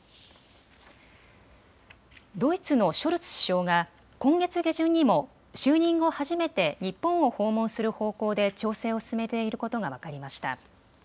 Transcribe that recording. ドイツのショルツ首相が今月下旬にも就任後、初めて日本を訪問する方向で調整を進めていることが分かりました。